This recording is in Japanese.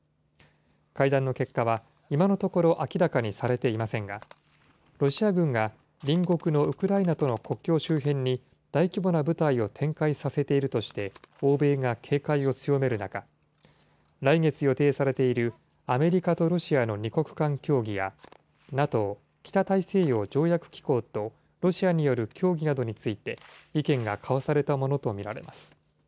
会談の結果は、今のところ、明らかにされていませんが、ロシア軍が隣国のウクライナとの国境周辺に大規模な部隊を展開させているとして、欧米が警戒を強める中、来月予定されているアメリカとロシアの２国間協議や、ＮＡＴＯ・北大西洋条約機構とロシアによる協議などについて、意見が交わされたものと見られます。